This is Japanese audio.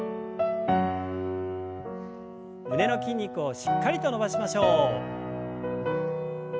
胸の筋肉をしっかりと伸ばしましょう。